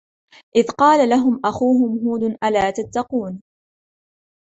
إذ قال لهم أخوهم هود ألا تتقون